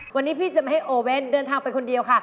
วันนี้พี่จะไม่ให้โอเว่นเดินทางไปคนเดียวค่ะ